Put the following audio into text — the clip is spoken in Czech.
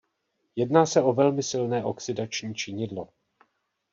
Jedná se o velmi silné oxidační činidlo.